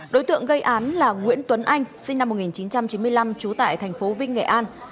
đối tượng gây án là nguyễn tuấn anh sinh năm một nghìn chín trăm chín mươi năm trú tại thành phố vinh nghệ an